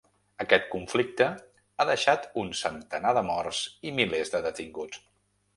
Aquest conflicte ha deixat un centenar de morts i milers de detinguts.